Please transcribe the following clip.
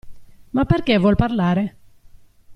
Ma perché vuol parlare?